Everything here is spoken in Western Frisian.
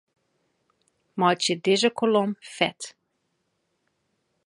Meitsje dizze kolom fet.